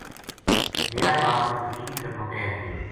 میرا باپ نا وکیل کرنو پے گو